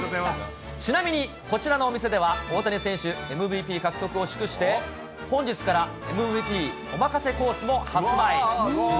ちなみに、こちらのお店では、大谷選手ＭＶＰ獲得を祝して、本日からＭＶＰおまかせコースも発売。